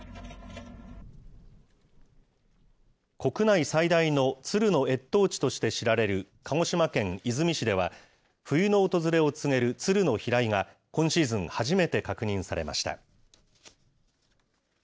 国内最大のツルの越冬地として知られる、鹿児島県出水市では、冬の訪れを告げるツルの飛来が、今シーズン初めて確認されました。